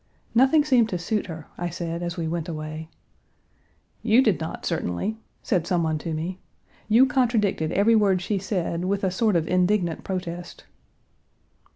"Nothing seemed to suit her," I said, as we went away. "You did not certainly," said some one to me; "you contradicted every word she said, with a sort of indignant protest."